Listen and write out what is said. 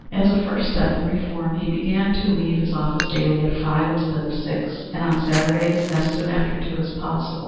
As a first step in reform he began to leave his office daily at five instead of six, and, on Saturdays, as soon after two as possible.